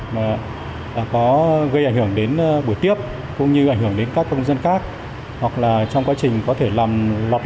mà có gây ảnh hưởng đến buổi tiếp cũng như ảnh hưởng đến các công dân khác hoặc là trong quá trình có thể làm lọt lộ bí mật